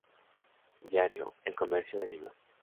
Diario "El Comercio" de Lima.